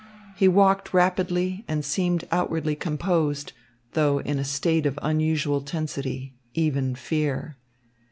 He walked rapidly and seemed outwardly composed, though in a state of unusual tensity, even fear.